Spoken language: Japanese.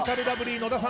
野田さん